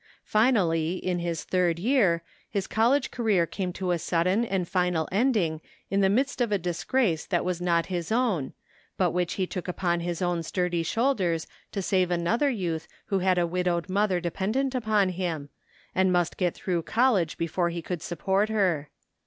Finally, in his third year, his college career came to a sudden and final ending in the midst of a disgrace that was not his own, but which he took upon his own sturdy shoulders to save another youth who had a widowed mother dependent upon him, and must get through col lege before he could support her.